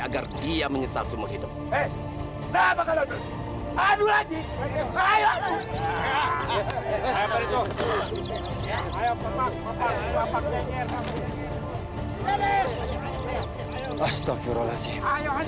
masih menggunakan jin